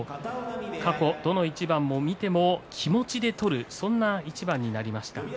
過去どの一番を見ても気持ちで取る、そんな一番になりました。